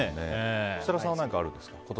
設楽さんは何かあるんですか？